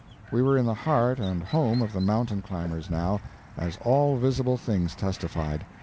We were in the heart and home of the mountain climbers, now, as all visible things testified.